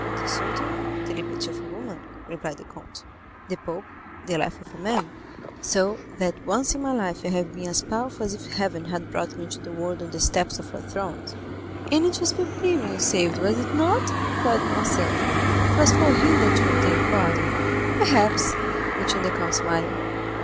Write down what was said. "The Sultan, the liberty of a woman," replied the Count; "the Pope, the life of a man; so that once in my life I have been as powerful as if heaven had brought me into the world on the steps of a throne." "And it was Peppino you saved, was it not?" cried Morcerf; "it was for him that you obtained pardon?" "Perhaps," returned the count, smiling.